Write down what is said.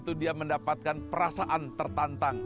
itu dia mendapatkan perasaan tertantang